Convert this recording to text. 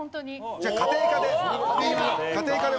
じゃあ家庭科で。